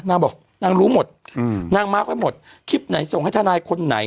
นางบอกนางรู้หมดอืมนางมาร์คไว้หมดคลิปไหนส่งให้ทนายคนไหน